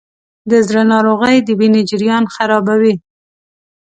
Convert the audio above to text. د زړه ناروغۍ د وینې جریان خرابوي.